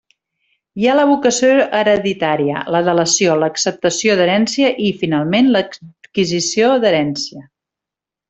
Hi ha la vocació hereditària, la delació, l'acceptació d'herència i, finalment, l'adquisició d'herència.